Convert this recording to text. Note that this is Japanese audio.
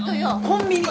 コンビニ。